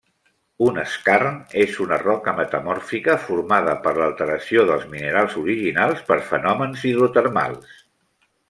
Un skarn és una roca metamòrfica formada per l'alteració dels minerals originals per fenòmens hidrotermals.